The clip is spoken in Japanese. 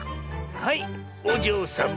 はいおじょうさま。